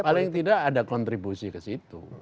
paling tidak ada kontribusi ke situ